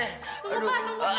tunggu pak tunggu pak